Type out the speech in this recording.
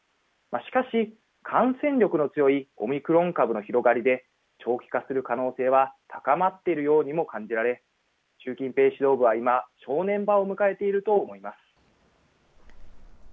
しかし、感染力の強いオミクロン株の広がりで、長期化する可能性は高まっているようにも感じられ、習近平指導部は今、正念場を迎えていると思います。